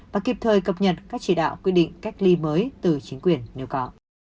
và kịp thời cập nhật các chỉ đạo quy định cách ly mới từ chính quyền nếu có